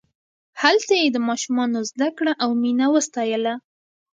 هلته یې د ماشومانو زدکړه او مینه وستایله.